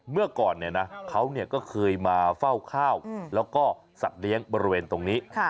เมื่อก่อนเขาก็เคยมาเฝ้าข้าวแล้วก็สัตว์เลี้ยงบริเวณตรงนี้